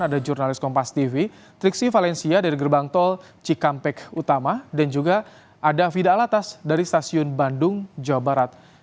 ada jurnalis kompas tv triksi valencia dari gerbang tol cikampek utama dan juga ada fida alatas dari stasiun bandung jawa barat